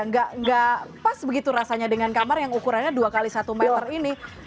nggak pas begitu rasanya dengan kamar yang ukurannya dua x satu meter ini